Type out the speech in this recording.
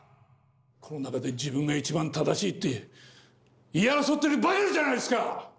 この中で自分が一番正しいって言い争ってるばかりじゃないですか！